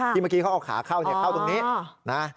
เมื่อกี้เขาเอาขาเข้าตรงนี้นะ